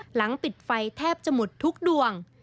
หลังปิดไฟแทบจะหมดทุกดวง